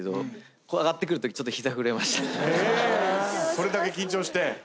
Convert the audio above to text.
それだけ緊張して。